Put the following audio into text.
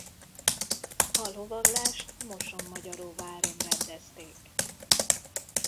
A lovaglást Mosonmagyaróváron rendezték.